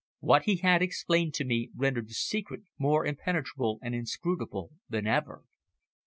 What he had explained to me rendered the secret more impenetrable and inscrutable than ever.